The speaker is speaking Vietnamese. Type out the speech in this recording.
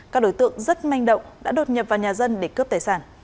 các đối tượng rất manh động đã đột nhập vào nhà dân để cướp tài sản